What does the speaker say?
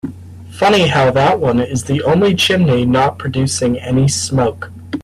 Funny how that one is the only chimney not producing any smoke.